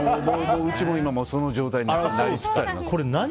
うちも今その状態になりつつあります。